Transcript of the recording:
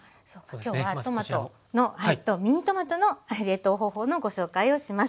今日はトマトのミニトマトの冷凍方法のご紹介をします。